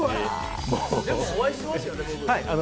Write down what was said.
お会いしてますよね。